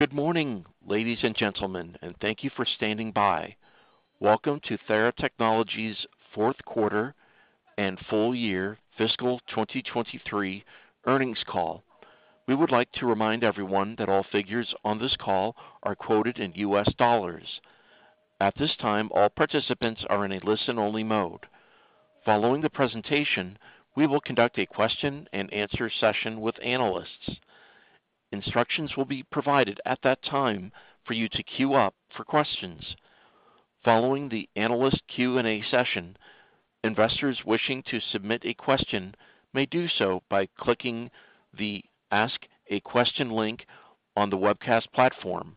Good morning, ladies and gentlemen, and thank you for standing by. Welcome to Theratechnologies' fourth quarter and full-year fiscal 2023 earnings call. We would like to remind everyone that all figures on this call are quoted in U.S. dollars. At this time, all participants are in a listen-only mode. Following the presentation, we will conduct a question-and-answer session with analysts. Instructions will be provided at that time for you to queue up for questions. Following the analyst Q&A session, investors wishing to submit a question may do so by clicking the Ask a Question link on the webcast platform.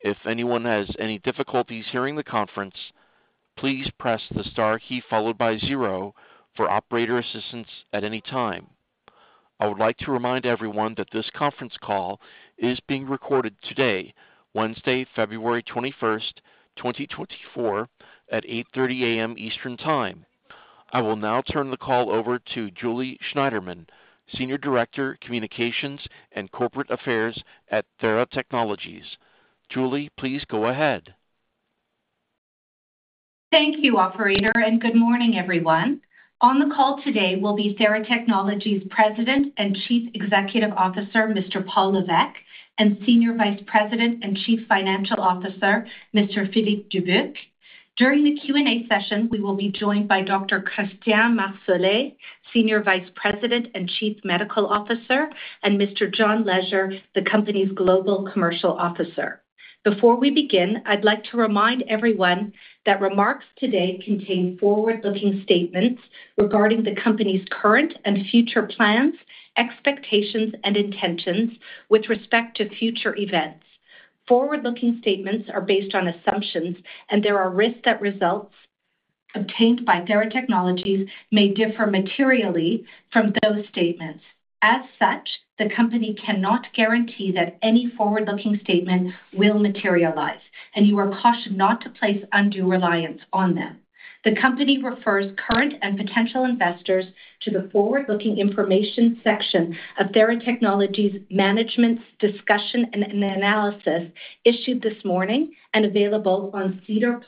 If anyone has any difficulties hearing the conference, please press the star key followed by zero for operator assistance at any time. I would like to remind everyone that this conference call is being recorded today, Wednesday, February 21st, 2024, at 8:30 A.M. Eastern Time. I will now turn the call over to Julie Schneiderman, Senior Director, Communications and Corporate Affairs at Theratechnologies. Julie, please go ahead. Thank you, operator, and good morning, everyone. On the call today will be Theratechnologies' President and Chief Executive Officer, Mr. Paul Lévesque, and Senior Vice President and Chief Financial Officer, Mr. Philippe Dubuc. During the Q&A session, we will be joined by Dr. Christian Marsolais, Senior Vice President and Chief Medical Officer, and Mr. John Leasure, the company's Global Commercial Officer. Before we begin, I'd like to remind everyone that remarks today contain forward-looking statements regarding the company's current and future plans, expectations, and intentions with respect to future events. Forward-looking statements are based on assumptions, and there are risks that results obtained by Theratechnologies may differ materially from those statements. As such, the company cannot guarantee that any forward-looking statement will materialize, and you are cautioned not to place undue reliance on them. The company refers current and potential investors to the forward-looking information section of Theratechnologies' Management Discussion and Analysis issued this morning and available on SEDAR+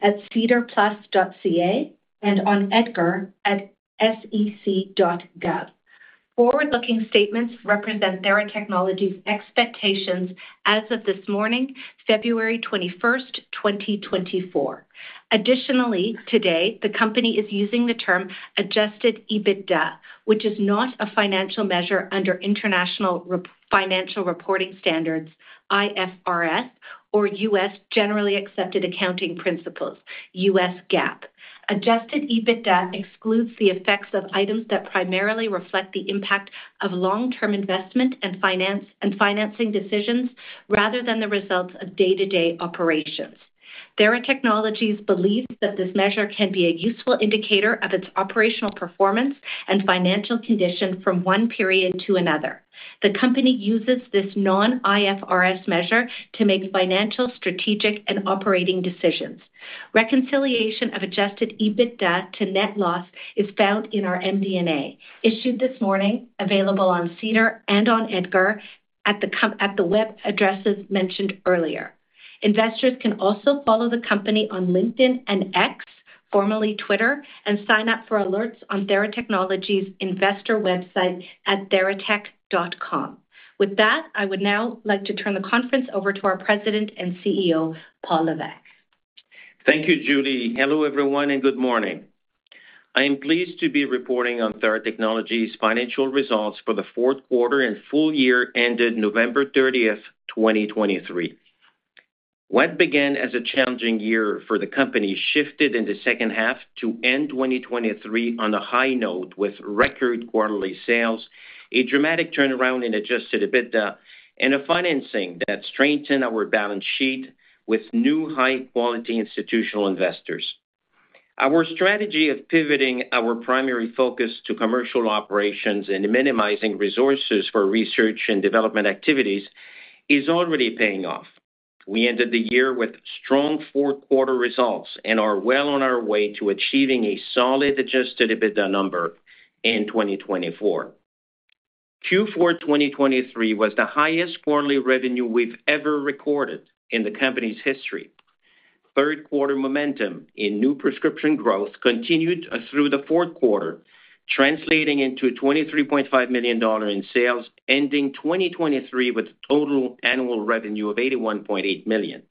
at sedarplus.ca and on EDGAR at sec.gov. Forward-looking statements represent Theratechnologies' expectations as of this morning, February 21st, 2024. Additionally, today, the company is using the term Adjusted EBITDA, which is not a financial measure under international financial reporting standards, IFRS, or U.S. Generally Accepted Accounting Principles, U.S. GAAP. Adjusted EBITDA excludes the effects of items that primarily reflect the impact of long-term investment and financing decisions rather than the results of day-to-day operations. Theratechnologies believes that this measure can be a useful indicator of its operational performance and financial condition from one period to another. The company uses this non-IFRS measure to make financial strategic and operating decisions. Reconciliation of adjusted EBITDA to net loss is found in our MD&A, issued this morning, available on SEDAR and on EDGAR at the web addresses mentioned earlier. Investors can also follow the company on LinkedIn and X, formerly Twitter, and sign up for alerts on Theratechnologies' investor website at theratech.com. With that, I would now like to turn the conference over to our President and CEO, Paul Lévesque. Thank you, Julie. Hello, everyone, and good morning. I am pleased to be reporting on Theratechnologies' financial results for the fourth quarter and full-year ended November 30th, 2023. What began as a challenging year for the company shifted in the second half to end 2023 on a high note with record quarterly sales, a dramatic turnaround in Adjusted EBITDA, and a financing that strengthened our balance sheet with new high-quality institutional investors. Our strategy of pivoting our primary focus to commercial operations and minimizing resources for research and development activities is already paying off. We ended the year with strong fourth-quarter results and are well on our way to achieving a solid Adjusted EBITDA number in 2024. Q4 2023 was the highest quarterly revenue we've ever recorded in the company's history. Third-quarter momentum in new prescription growth continued through the fourth quarter, translating into $23.5 million in sales, ending 2023 with a total annual revenue of $81.8 million.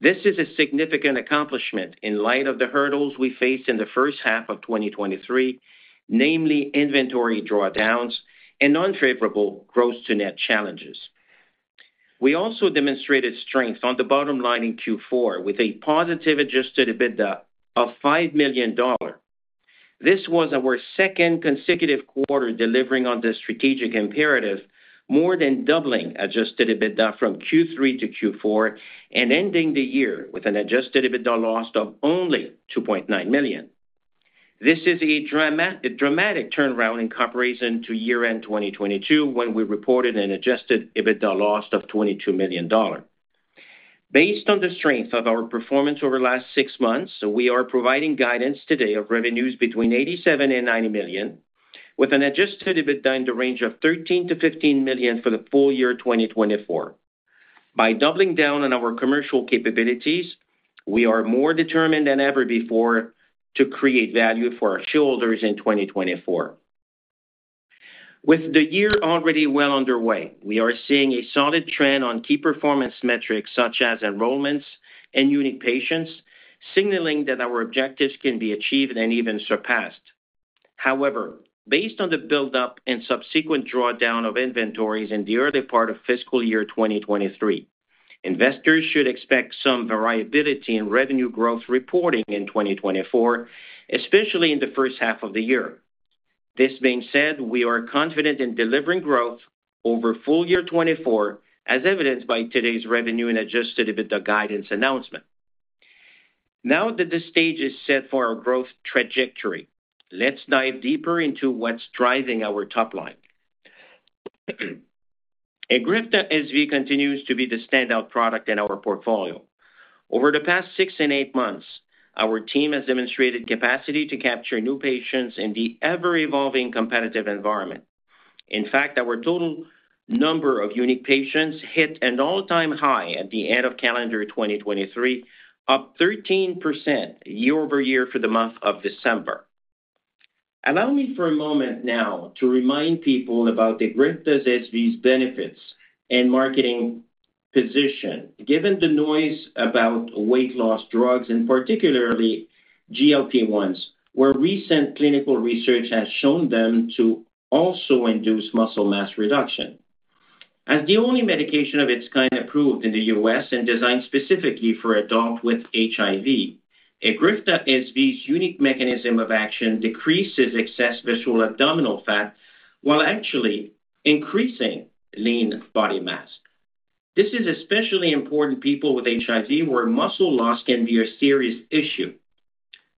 This is a significant accomplishment in light of the hurdles we faced in the first half of 2023, namely inventory drawdowns and unfavorable gross-to-net challenges. We also demonstrated strength on the bottom line in Q4 with a positive adjusted EBITDA of $5 million. This was our second consecutive quarter delivering on the strategic imperative, more than doubling adjusted EBITDA from Q3 to Q4 and ending the year with an adjusted EBITDA loss of only $2.9 million. This is a dramatic turnaround in comparison to year-end 2022 when we reported an adjusted EBITDA loss of $22 million. Based on the strength of our performance over the last six months, we are providing guidance today of revenues between $87-$90 million, with an Adjusted EBITDA in the range of $13-$15 million for the full year 2024. By doubling down on our commercial capabilities, we are more determined than ever before to create value for our shareholders in 2024. With the year already well underway, we are seeing a solid trend on key performance metrics such as enrollments and unique patients, signaling that our objectives can be achieved and even surpassed. However, based on the buildup and subsequent drawdown of inventories in the early part of fiscal year 2023, investors should expect some variability in revenue growth reporting in 2024, especially in the first half of the year. This being said, we are confident in delivering growth over full year 2024, as evidenced by today's revenue and Adjusted EBITDA guidance announcement. Now that the stage is set for our growth trajectory, let's dive deeper into what's driving our top line. EGRIFTA SV continues to be the standout product in our portfolio. Over the past six and eight months, our team has demonstrated capacity to capture new patients in the ever-evolving competitive environment. In fact, our total number of unique patients hit an all-time high at the end of calendar 2023, up 13% year-over-year for the month of December. Allow me for a moment now to remind people about EGRIFTA SV's benefits and marketing position, given the noise about weight loss drugs, and particularly GLP-1s, where recent clinical research has shown them to also induce muscle mass reduction. As the only medication of its kind approved in the U.S. and designed specifically for adults with HIV, EGRIFTA SV's unique mechanism of action decreases excess visceral abdominal fat while actually increasing lean body mass. This is especially important for people with HIV, where muscle loss can be a serious issue.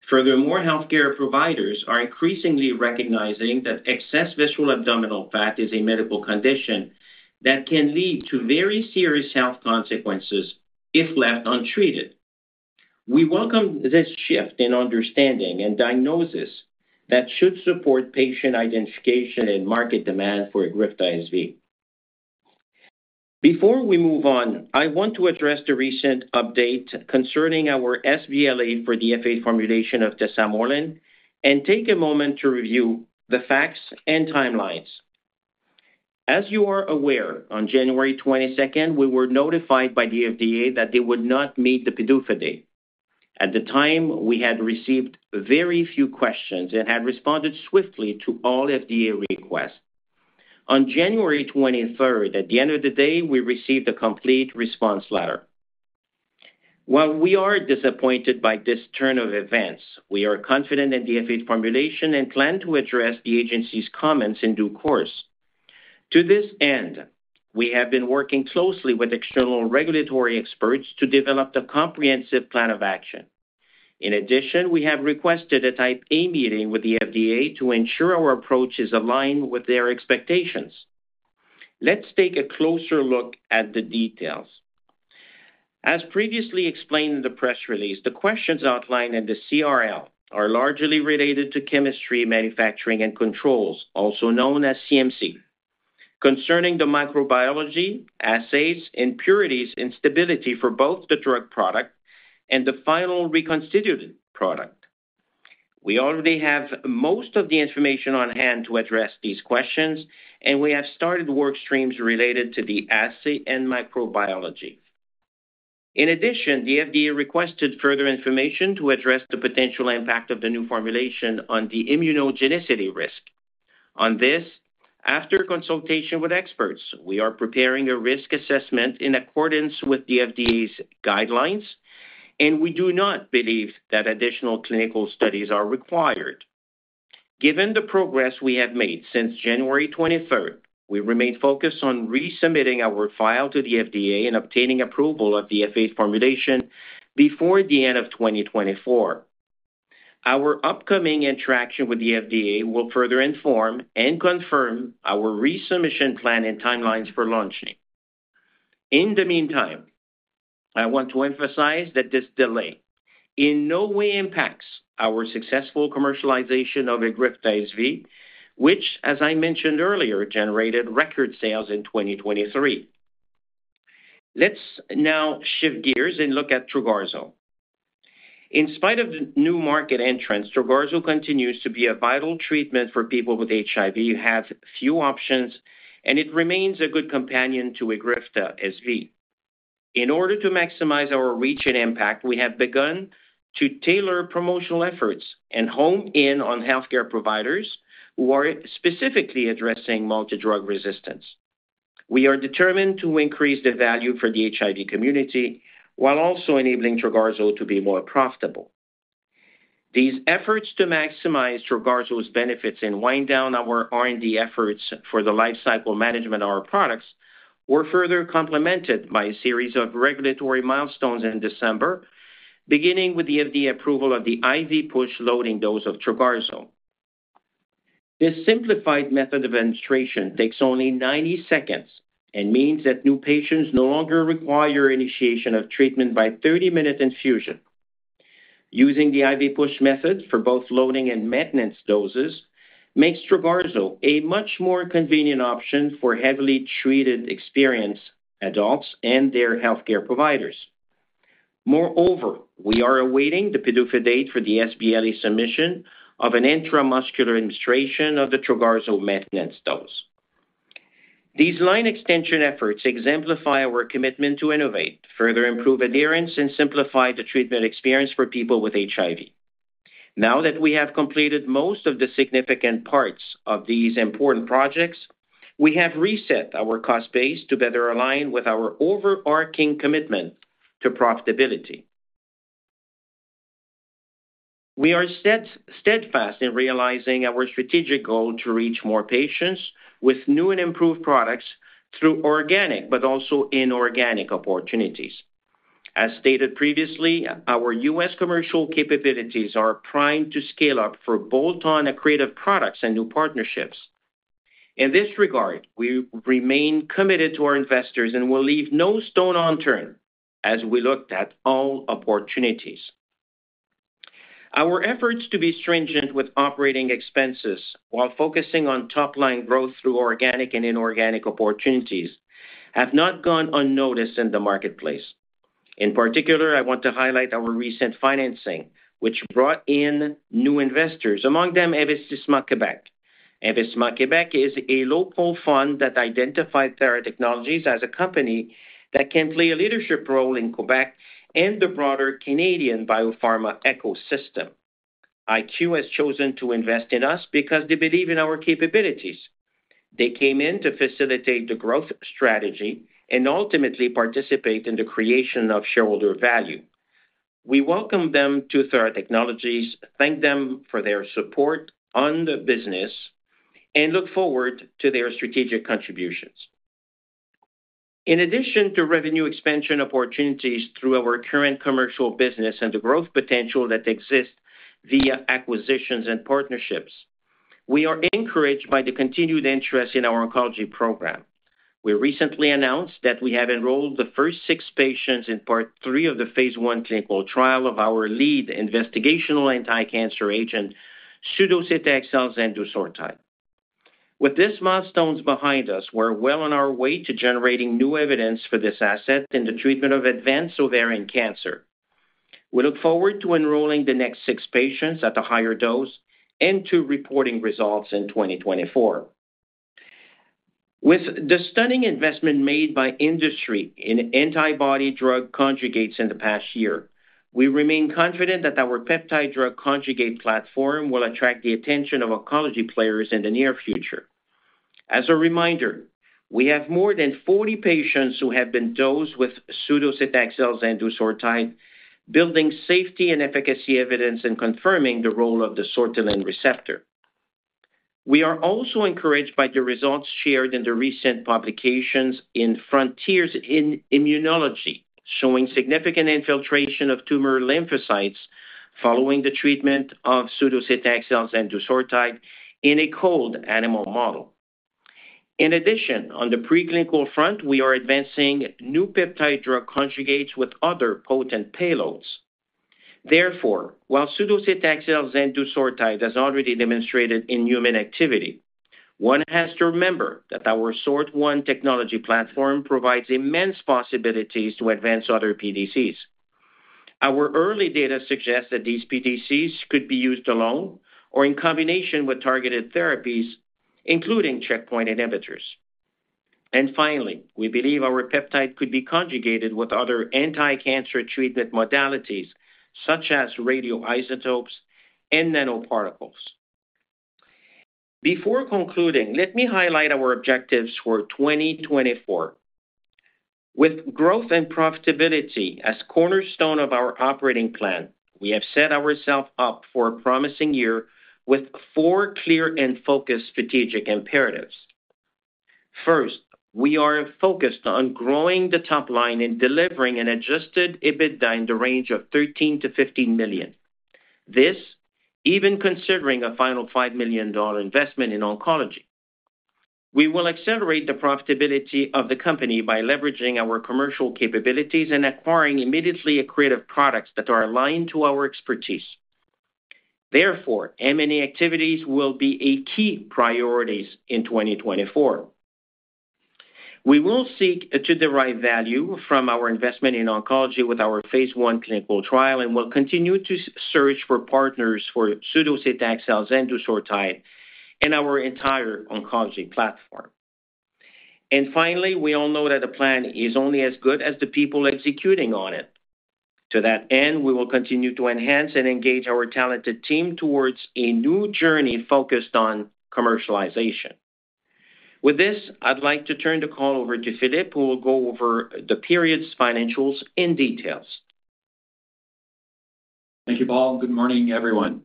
Furthermore, healthcare providers are increasingly recognizing that excess visceral abdominal fat is a medical condition that can lead to very serious health consequences if left untreated. We welcome this shift in understanding and diagnosis that should support patient identification and market demand for EGRIFTA SV. Before we move on, I want to address the recent update concerning our sBLA for the F4 formulation of tesamorelin and take a moment to review the facts and timelines. As you are aware, on January 22nd, we were notified by the FDA that they would not meet the PDUFA date. At the time, we had received very few questions and had responded swiftly to all FDA requests. On January 23rd, at the end of the day, we received a Complete Response Letter. While we are disappointed by this turn of events, we are confident in the FA formulation and plan to address the agency's comments in due course. To this end, we have been working closely with external regulatory experts to develop a comprehensive plan of action. In addition, we have requested a Type A Meeting with the FDA to ensure our approach is aligned with their expectations. Let's take a closer look at the details. As previously explained in the press release, the questions outlined in the CRL are largely related to Chemistry, Manufacturing, and Controls, also known as CMC, concerning the microbiology, assays, impurities, and stability for both the drug product and the final reconstituted product. We already have most of the information on hand to address these questions, and we have started work streams related to the assay and microbiology. In addition, the FDA requested further information to address the potential impact of the new formulation on the immunogenicity risk. On this, after consultation with experts, we are preparing a risk assessment in accordance with the FDA's guidelines, and we do not believe that additional clinical studies are required. Given the progress we have made since January 23rd, we remain focused on resubmitting our file to the FDA and obtaining approval of the F4 formulation before the end of 2024. Our upcoming interaction with the FDA will further inform and confirm our resubmission plan and timelines for launching. In the meantime, I want to emphasize that this delay in no way impacts our successful commercialization of EGRIFTA SV, which, as I mentioned earlier, generated record sales in 2023. Let's now shift gears and look at Trogarzo. In spite of the new market entrance, Trogarzo continues to be a vital treatment for people with HIV, have few options, and it remains a good companion to EGRIFTA SV. In order to maximize our reach and impact, we have begun to tailor promotional efforts and hone in on healthcare providers who are specifically addressing multidrug resistance. We are determined to increase the value for the HIV community while also enabling Trogarzo to be more profitable. These efforts to maximize Trogarzo's benefits and wind down our R&D efforts for the lifecycle management of our products were further complemented by a series of regulatory milestones in December, beginning with the FDA approval of the IV push loading dose of Trogarzo. This simplified method of administration takes only 90 seconds and means that new patients no longer require initiation of treatment by 30-minute infusion. Using the IV push method for both loading and maintenance doses makes Trogarzo a much more convenient option for heavily treated experienced adults and their healthcare providers. Moreover, we are awaiting the PDUFA date for the sBLA submission of an intramuscular administration of the Trogarzo maintenance dose. These line extension efforts exemplify our commitment to innovate, further improve adherence, and simplify the treatment experience for people with HIV. Now that we have completed most of the significant parts of these important projects, we have reset our cost base to better align with our overarching commitment to profitability. We are steadfast in realizing our strategic goal to reach more patients with new and improved products through organic but also inorganic opportunities. As stated previously, our U.S. commercial capabilities are primed to scale up for bolt-on accretive products and new partnerships. In this regard, we remain committed to our investors and will leave no stone unturned as we look at all opportunities. Our efforts to be stringent with operating expenses while focusing on top-line growth through organic and inorganic opportunities have not gone unnoticed in the marketplace. In particular, I want to highlight our recent financing, which brought in new investors, among them Investissement Québec. Investissement Québec is a local fund that identified Theratechnologies as a company that can play a leadership role in Québec and the broader Canadian biopharma ecosystem. IQ has chosen to invest in us because they believe in our capabilities. They came in to facilitate the growth strategy and ultimately participate in the creation of shareholder value. We welcome them to Theratechnologies, thank them for their support on the business, and look forward to their strategic contributions. In addition to revenue expansion opportunities through our current commercial business and the growth potential that exists via acquisitions and partnerships, we are encouraged by the continued interest in our oncology program. We recently announced that we have enrolled the first 6 patients in part 3 of the phase 1 clinical trial of our lead investigational anti-cancer agent, TH1902. With these milestones behind us, we're well on our way to generating new evidence for this asset in the treatment of advanced ovarian cancer. We look forward to enrolling the next six patients at a higher dose and to reporting results in 2024. With the stunning investment made by industry in antibody drug conjugates in the past year, we remain confident that our peptide drug conjugate platform will attract the attention of oncology players in the near future. As a reminder, we have more than 40 patients who have been dosed with sudocetaxel zendusortide, building safety and efficacy evidence and confirming the role of the Sortilin receptor. We are also encouraged by the results shared in the recent publications in Frontiers in Immunology, showing significant infiltration of tumor lymphocytes following the treatment of sudocetaxel zendusortide in a cold animal model. In addition, on the preclinical front, we are advancing new peptide drug conjugates with other potent payloads. Therefore, while sudocetaxel zendusortide has already demonstrated in human activity, one has to remember that our SORT1 technology platform provides immense possibilities to advance other PDCs. Our early data suggests that these PDCs could be used alone or in combination with targeted therapies, including checkpoint inhibitors. And finally, we believe our peptide could be conjugated with other anti-cancer treatment modalities such as radioisotopes and nanoparticles. Before concluding, let me highlight our objectives for 2024. With growth and profitability as cornerstone of our operating plan, we have set ourselves up for a promising year with four clear and focused strategic imperatives. First, we are focused on growing the top line and delivering an Adjusted EBITDA in the range of $13 million-$15 million, even considering a final $5 million investment in oncology. We will accelerate the profitability of the company by leveraging our commercial capabilities and acquiring immediately accretive products that are aligned to our expertise. Therefore, M&A activities will be key priorities in 2024. We will seek to derive value from our investment in oncology with our phase one clinical trial and will continue to search for partners for sudocetaxel zendusortide in our entire oncology platform. And finally, we all know that a plan is only as good as the people executing on it. To that end, we will continue to enhance and engage our talented team towards a new journey focused on commercialization. With this, I'd like to turn the call over to Philippe, who will go over the period's financials in detail. Thank you, Paul. Good morning, everyone.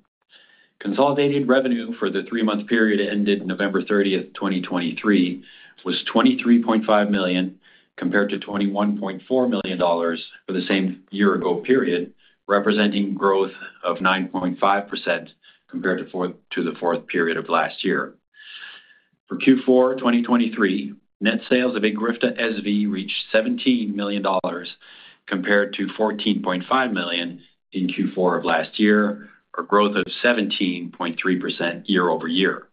Consolidated revenue for the three-month period ended November 30th, 2023, was $23.5 million compared to $21.4 million for the same year-ago period, representing growth of 9.5% compared to the fourth period of last year. For Q4 2023, net sales of EGRIFTA SV reached $17 million compared to $14.5 million in Q4 of last year, a growth of 17.3% year over year.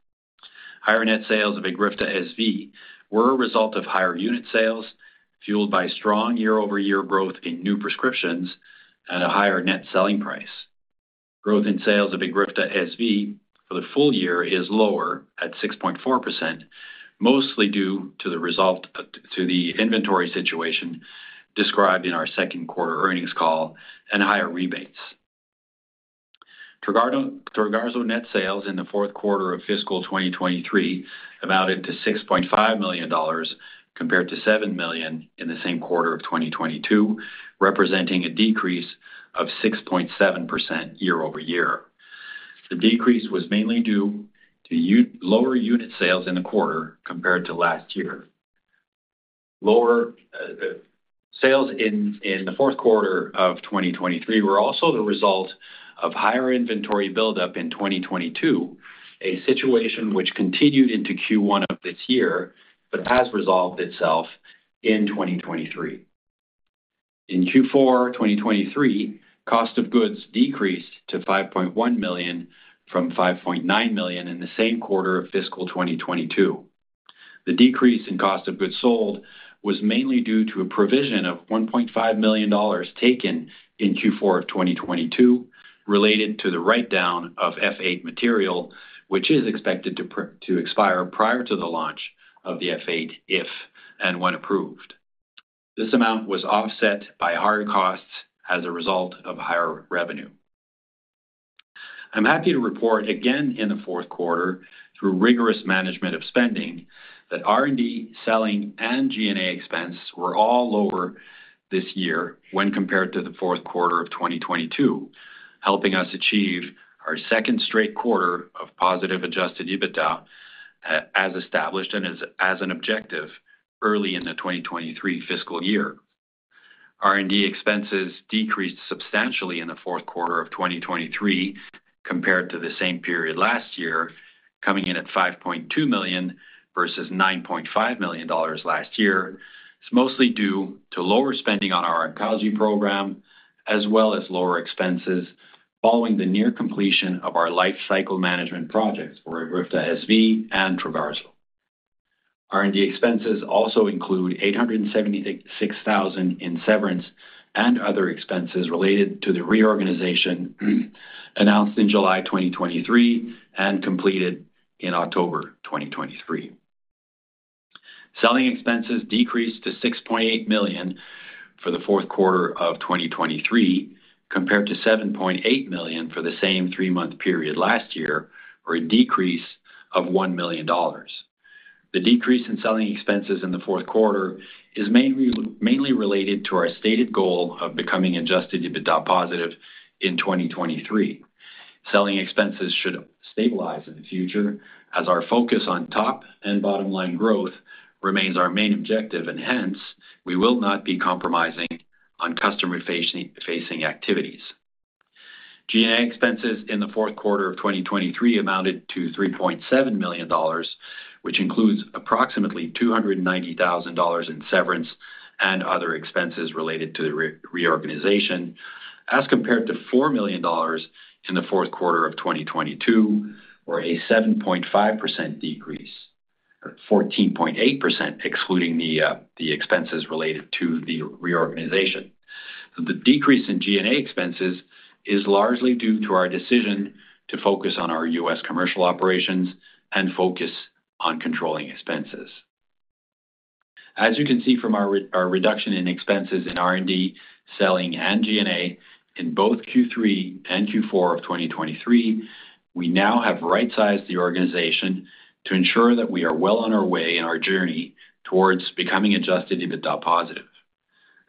Higher net sales of EGRIFTA SV were a result of higher unit sales, fueled by strong year-over-year growth in new prescriptions and a higher net selling price. Growth in sales of EGRIFTA SV for the full year is lower at 6.4%, mostly due to the inventory situation described in our second quarter earnings call and higher rebates. Trogarzo net sales in the fourth quarter of fiscal 2023 amounted to $6.5 million compared to $7 million in the same quarter of 2022, representing a decrease of 6.7% year-over-year. The decrease was mainly due to lower unit sales in the quarter compared to last year. Lower sales in the fourth quarter of 2023 were also the result of higher inventory buildup in 2022, a situation which continued into Q1 of this year but has resolved itself in 2023. In Q4 2023, cost of goods decreased to $5.1 million from $5.9 million in the same quarter of fiscal 2022. The decrease in cost of goods sold was mainly due to a provision of $1.5 million taken in Q4 of 2022 related to the write-down of F8 material, which is expected to expire prior to the launch of the F8 if and when approved. This amount was offset by higher costs as a result of higher revenue. I'm happy to report again in the fourth quarter, through rigorous management of spending, that R&D, selling, and G&A expense were all lower this year when compared to the fourth quarter of 2022, helping us achieve our second straight quarter of positive Adjusted EBITDA as established and as an objective early in the 2023 fiscal year. R&D expenses decreased substantially in the fourth quarter of 2023 compared to the same period last year, coming in at $5.2 million versus $9.5 million last year. It's mostly due to lower spending on our oncology program as well as lower expenses following the near completion of our lifecycle management projects for EGRIFTA SV and Trogarzo. R&D expenses also include $876,000 in severance and other expenses related to the reorganization announced in July 2023 and completed in October 2023. Selling expenses decreased to $6.8 million for the fourth quarter of 2023 compared to $7.8 million for the same three-month period last year, or a decrease of $1 million. The decrease in selling expenses in the fourth quarter is mainly related to our stated goal of becoming Adjusted EBITDA positive in 2023. Selling expenses should stabilize in the future as our focus on top and bottom-line growth remains our main objective, and hence, we will not be compromising on customer-facing activities. G&A expenses in the fourth quarter of 2023 amounted to $3.7 million, which includes approximately $290,000 in severance and other expenses related to the reorganization as compared to $4 million in the fourth quarter of 2022, or a 14.8% decrease, excluding the expenses related to the reorganization. The decrease in G&A expenses is largely due to our decision to focus on our U.S. commercial operations and focus on controlling expenses. As you can see from our reduction in expenses in R&D, selling, and G&A in both Q3 and Q4 of 2023, we now have right-sized the organization to ensure that we are well on our way in our journey towards becoming Adjusted EBITDA positive.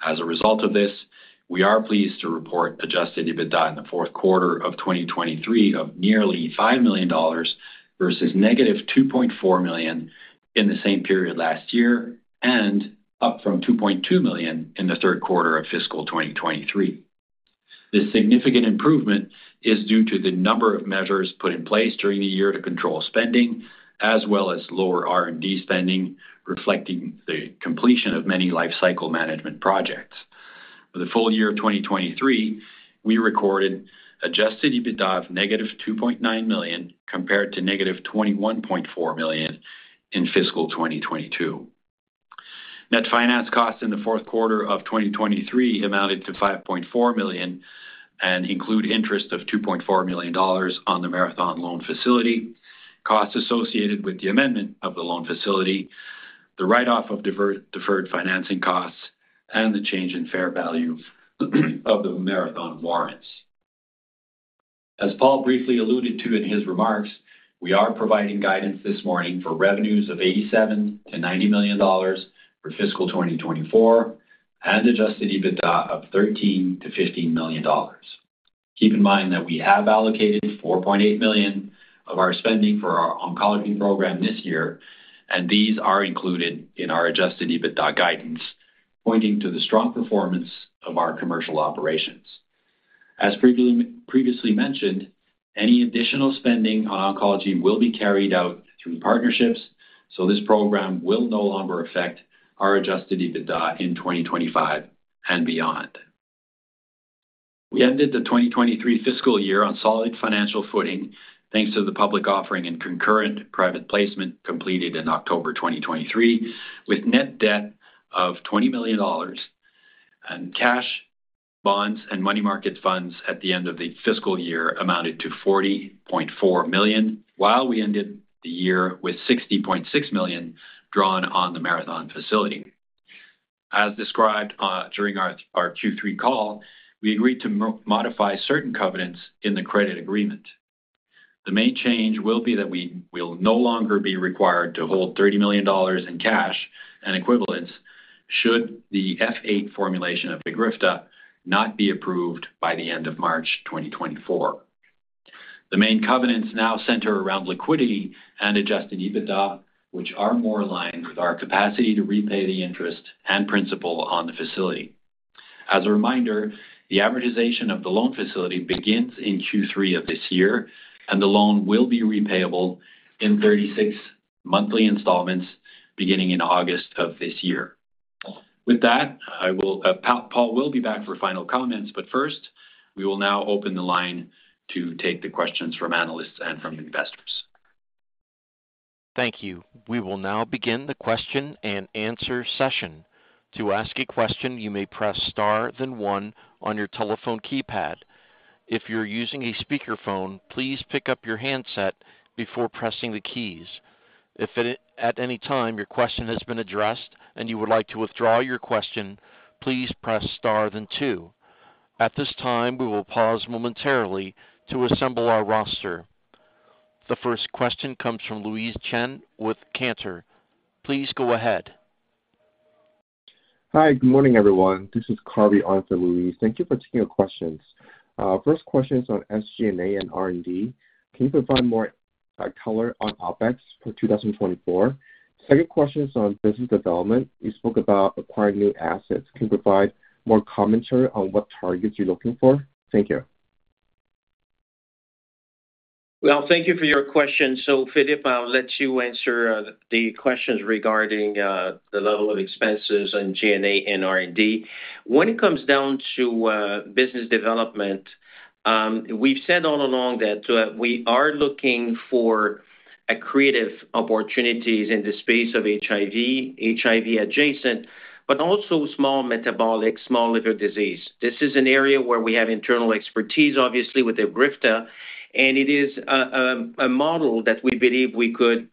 As a result of this, we are pleased to report Adjusted EBITDA in the fourth quarter of 2023 of nearly $5 million versus -$2.4 million in the same period last year and up from $2.2 million in the third quarter of fiscal 2023. This significant improvement is due to the number of measures put in place during the year to control spending, as well as lower R&D spending reflecting the completion of many lifecycle management projects. For the full year of 2023, we recorded Adjusted EBITDA of negative $2.9 million compared to negative $21.4 million in fiscal 2022. Net finance costs in the fourth quarter of 2023 amounted to $5.4 million and include interest of $2.4 million on the Marathon loan facility, costs associated with the amendment of the loan facility, the write-off of deferred financing costs, and the change in fair value of the Marathon warrants. As Paul briefly alluded to in his remarks, we are providing guidance this morning for revenues of $87-$90 million for fiscal 2024 and Adjusted EBITDA of $13-$15 million. Keep in mind that we have allocated $4.8 million of our spending for our oncology program this year, and these are included in our Adjusted EBITDA guidance pointing to the strong performance of our commercial operations. As previously mentioned, any additional spending on oncology will be carried out through partnerships, so this program will no longer affect our Adjusted EBITDA in 2025 and beyond. We ended the 2023 fiscal year on solid financial footing thanks to the public offering and concurrent private placement completed in October 2023, with net debt of $20 million and cash, bonds, and money market funds at the end of the fiscal year amounted to $40.4 million, while we ended the year with $60.6 million drawn on the Marathon facility. As described during our Q3 call, we agreed to modify certain covenants in the credit agreement. The main change will be that we will no longer be required to hold $30 million in cash and equivalents should the F4 formulation of EGRIFTA not be approved by the end of March 2024. The main covenants now center around liquidity and Adjusted EBITDA, which are more aligned with our capacity to repay the interest and principal on the facility. As a reminder, the amortization of the loan facility begins in Q3 of this year, and the loan will be repayable in 36 monthly installments beginning in August of this year. With that, Paul will be back for final comments, but first, we will now open the line to take the questions from analysts and from investors. Thank you. We will now begin the question and answer session. To ask a question, you may press star then one on your telephone keypad. If you're using a speakerphone, please pick up your handset before pressing the keys. If at any time your question has been addressed and you would like to withdraw your question, please press star then two. At this time, we will pause momentarily to assemble our roster. The first question comes from Louise Chen with Cantor. Please go ahead. Hi. Good morning, everyone. This is Carvey on for Louise. Thank you for taking questions. First question is on SG&A and R&D. Can you provide more color on OpEx for 2024? Second question is on business development. You spoke about acquiring new assets. Can you provide more commentary on what targets you're looking for? Thank you. Well, thank you for your question. So Philippe, I'll let you answer the questions regarding the level of expenses on G&A and R&D. When it comes down to business development, we've said all along that we are looking for creative opportunities in the space of HIV, HIV-adjacent, but also small metabolic, small liver disease. This is an area where we have internal expertise, obviously, with EGRIFTA, and it is a model that we believe we could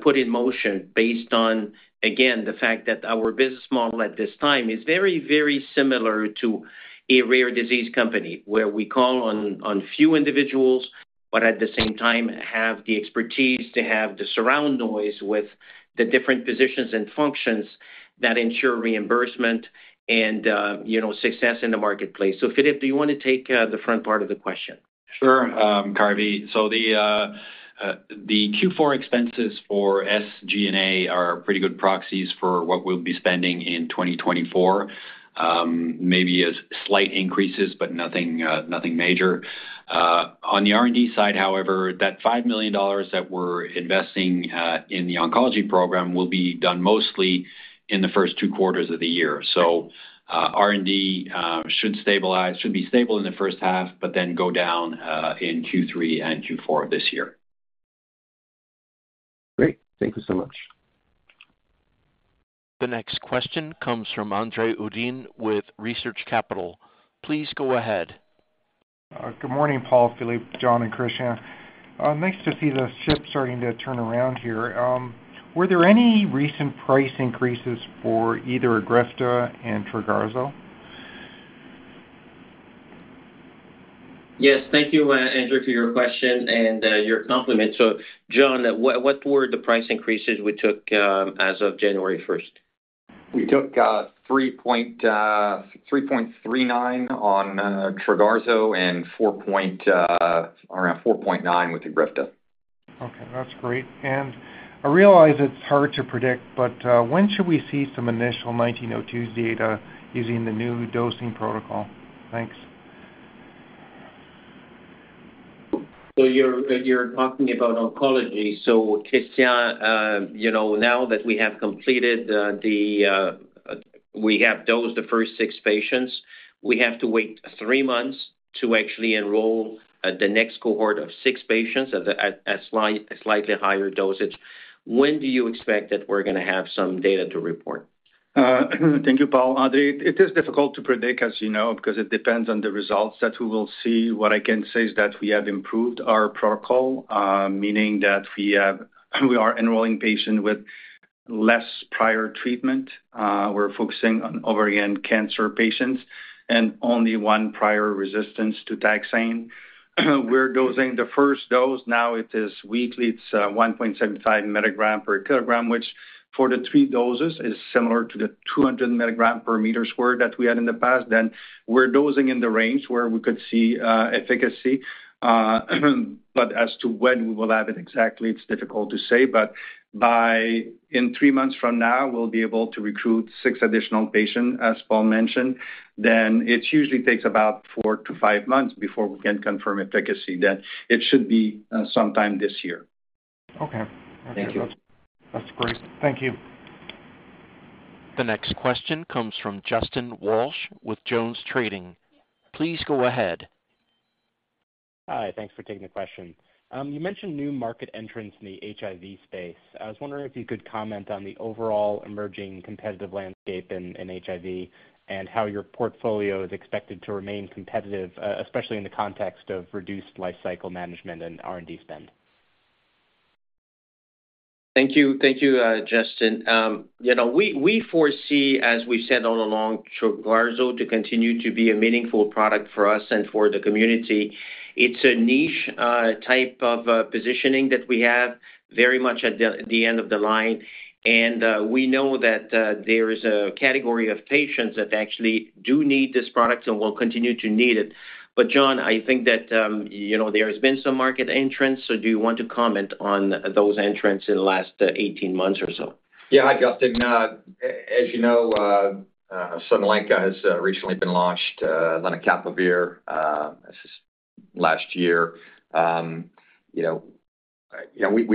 put in motion based on, again, the fact that our business model at this time is very, very similar to a rare disease company where we call on few individuals but at the same time have the expertise to have the surround noise with the different positions and functions that ensure reimbursement and success in the marketplace. So Philippe, do you want to take the front part of the question? Sure, Carvey. So the Q4 expenses for SG&A are pretty good proxies for what we'll be spending in 2024, maybe slight increases but nothing major. On the R&D side, however, that $5 million that we're investing in the oncology program will be done mostly in the first two quarters of the year. So R&D should be stable in the first half but then go down in Q3 and Q4 of this year. Great. Thank you so much. The next question comes from Andre Uddin with Research Capital. Please go ahead. Good morning, Paul, Philippe, John, and Christian. Nice to see the ship starting to turn around here. Were there any recent price increases for either EGRIFTA and Trogarzo? Yes. Thank you, Andre, for your question and your compliment. John, what were the price increases we took as of January 1st? We took $3.39 on Trogarzo and around $4.9 with EGRIFTA. Okay. That's great. And I realize it's hard to predict, but when should we see some initial TH1902's data using the new dosing protocol? Thanks. So you're talking about oncology. So Christian, now that we have completed, we have dosed the first 6 patients, we have to wait 3 months to actually enroll the next cohort of 6 patients at a slightly higher dosage. When do you expect that we're going to have some data to report? Thank you, Paul. Andre, it is difficult to predict, as you know, because it depends on the results that we will see. What I can say is that we have improved our protocol, meaning that we are enrolling patients with less prior treatment. We're focusing on, over again, cancer patients and only one prior resistance to taxane. We're dosing the first dose. Now it is weekly. It's 1.75 milligram per kilogram, which for the three doses is similar to the 200 milligram per meter squared that we had in the past. Then we're dosing in the range where we could see efficacy. But as to when we will have it exactly, it's difficult to say. But in three months from now, we'll be able to recruit six additional patients, as Paul mentioned. Then it usually takes about four to five months before we can confirm efficacy. Then it should be sometime this year. Okay. That's great. Thank you. The next question comes from Justin Walsh with Jones Trading. Please go ahead. Hi. Thanks for taking the question. You mentioned new market entrants in the HIV space. I was wondering if you could comment on the overall emerging competitive landscape in HIV and how your portfolio is expected to remain competitive, especially in the context of reduced lifecycle management and R&D spend? Thank you. Thank you, Justin. We foresee, as we've said all along, Trogarzo to continue to be a meaningful product for us and for the community. It's a niche type of positioning that we have very much at the end of the line. And we know that there is a category of patients that actually do need this product and will continue to need it. But John, I think that there has been some market entrants, so do you want to comment on those entrants in the last 18 months or so? Yeah, hi, Justin. As you know, Sunlenca has recently been launched, Lenacapavir, this is last year. We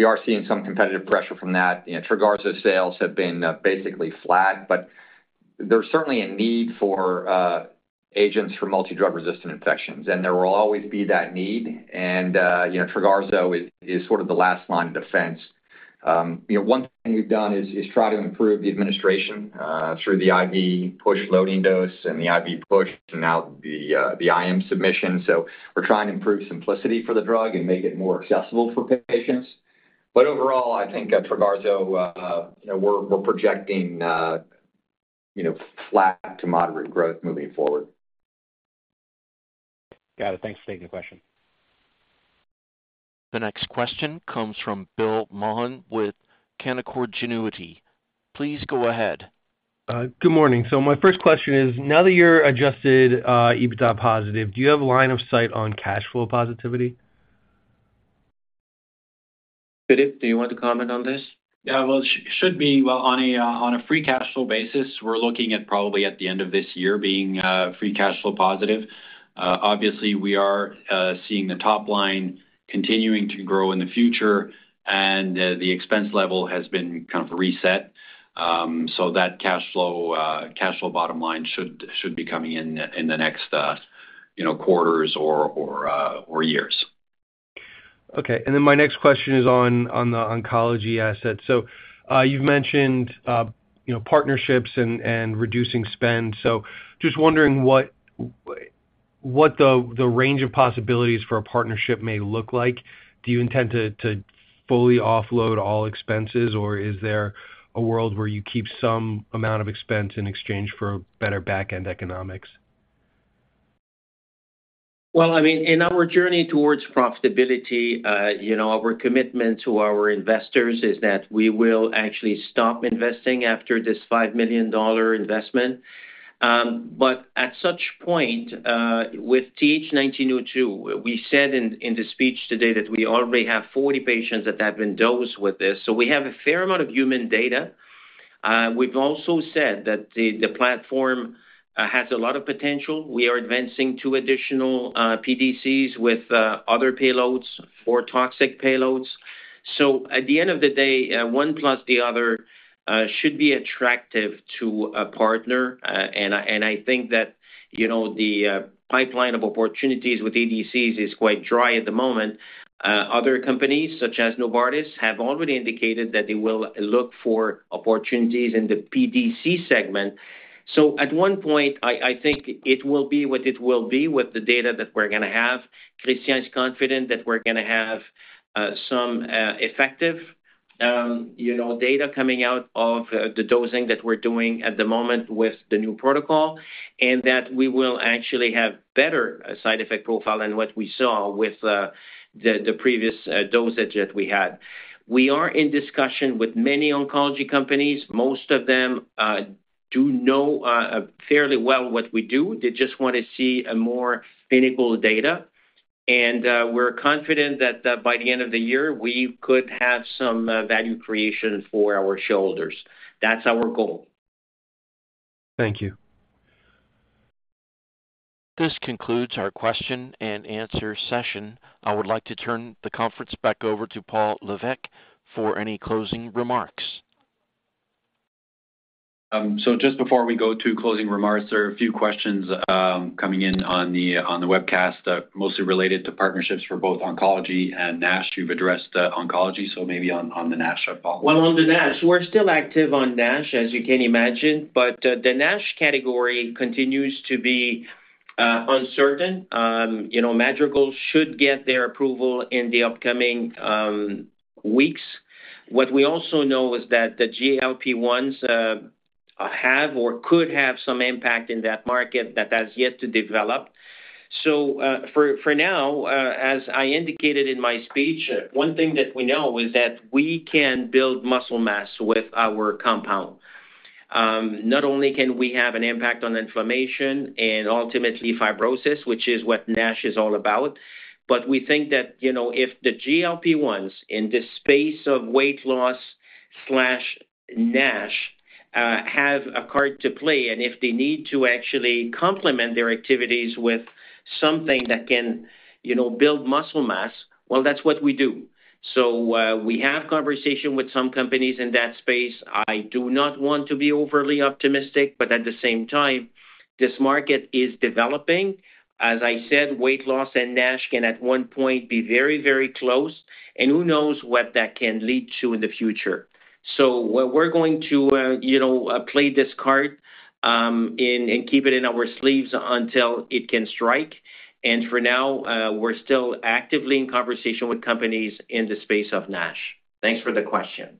are seeing some competitive pressure from that. Trogarzo sales have been basically flat, but there's certainly a need for agents for multidrug-resistant infections, and there will always be that need. And Trogarzo is sort of the last line of defense. One thing we've done is try to improve the administration through the IV push loading dose and the IV push and now the IM submission. So we're trying to improve simplicity for the drug and make it more accessible for patients. But overall, I think at Trogarzo, we're projecting flat to moderate growth moving forward. Got it. Thanks for taking the question. The next question comes from William Maughan with Canaccord Genuity. Please go ahead. Good morning. My first question is, now that you're Adjusted EBITDA positive, do you have a line of sight on cash flow positivity? Philippe, do you want to comment on this? Yeah. Well, it should be. Well, on a free cash flow basis, we're looking at probably at the end of this year being free cash flow positive. Obviously, we are seeing the top line continuing to grow in the future, and the expense level has been kind of reset. So that cash flow bottom line should be coming in the next quarters or years. Okay. And then my next question is on the oncology assets. So you've mentioned partnerships and reducing spend. So just wondering what the range of possibilities for a partnership may look like. Do you intend to fully offload all expenses, or is there a world where you keep some amount of expense in exchange for better back-end economics? Well, I mean, in our journey towards profitability, our commitment to our investors is that we will actually stop investing after this $5 million investment. But at such point, with TH1902, we said in the speech today that we already have 40 patients that have been dosed with this. So we have a fair amount of human data. We've also said that the platform has a lot of potential. We are advancing two additional PDCs with other payloads or toxic payloads. So at the end of the day, one plus the other should be attractive to a partner. And I think that the pipeline of opportunities with ADCs is quite dry at the moment. Other companies, such as Novartis, have already indicated that they will look for opportunities in the PDC segment. At one point, I think it will be what it will be with the data that we're going to have. Christian is confident that we're going to have some effective data coming out of the dosing that we're doing at the moment with the new protocol and that we will actually have better side effect profile than what we saw with the previous dosage that we had. We are in discussion with many oncology companies. Most of them do know fairly well what we do. They just want to see more clinical data. We're confident that by the end of the year, we could have some value creation for our shareholders. That's our goal. Thank you. This concludes our question and answer session. I would like to turn the conference back over to Paul Lévesque for any closing remarks. Just before we go to closing remarks, there are a few questions coming in on the webcast, mostly related to partnerships for both oncology and NASH. You've addressed oncology, so maybe on the NASH, Paul. Well, on the NASH, we're still active on NASH, as you can imagine, but the NASH category continues to be uncertain. Madrigal should get their approval in the upcoming weeks. What we also know is that the GLP-1s have or could have some impact in that market that has yet to develop. So for now, as I indicated in my speech, one thing that we know is that we can build muscle mass with our compound. Not only can we have an impact on inflammation and ultimately fibrosis, which is what NASH is all about, but we think that if the GLP-1s in the space of weight loss/NASH have a card to play and if they need to actually complement their activities with something that can build muscle mass, well, that's what we do. So we have conversation with some companies in that space. I do not want to be overly optimistic, but at the same time, this market is developing. As I said, weight loss and NASH can at one point be very, very close, and who knows what that can lead to in the future. So we're going to play this card and keep it in our sleeves until it can strike. And for now, we're still actively in conversation with companies in the space of NASH. Thanks for the question.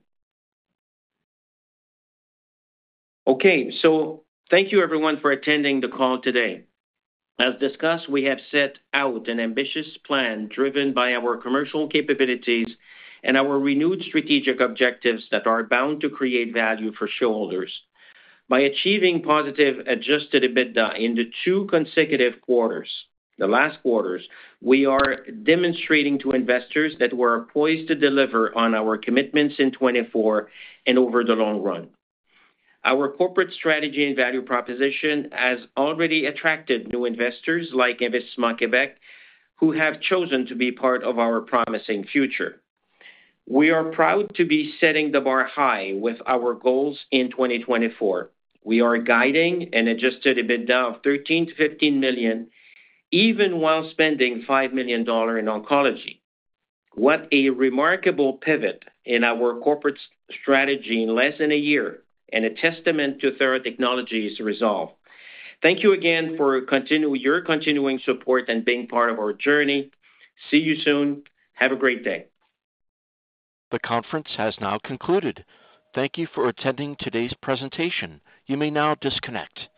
Okay. So thank you, everyone, for attending the call today. As discussed, we have set out an ambitious plan driven by our commercial capabilities and our renewed strategic objectives that are bound to create value for shareholders. By achieving positive Adjusted EBITDA in the two consecutive quarters, the last quarters, we are demonstrating to investors that we're poised to deliver on our commitments in 2024 and over the long run. Our corporate strategy and value proposition has already attracted new investors like Investissement Québec, who have chosen to be part of our promising future. We are proud to be setting the bar high with our goals in 2024. We are guiding an Adjusted EBITDA of $13 million-$15 million, even while spending $5 million in oncology. What a remarkable pivot in our corporate strategy in less than a year and a testament to Theratechnologies' resolve. Thank you again for your continuing support and being part of our journey. See you soon. Have a great day. The conference has now concluded. Thank you for attending today's presentation. You may now disconnect.